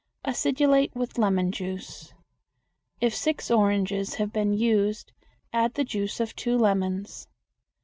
Acidulate with lemon juice. If six oranges have been used, add the juice of two lemons.